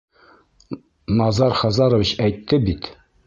Назар Хазарович әйтте бит!